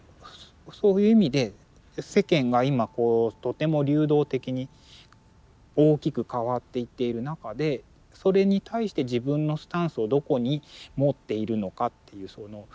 そういう意味で世間が今こうとても流動的に大きく変わっていっている中でそれに対して自分のスタンスをどこに持っているのかっていう。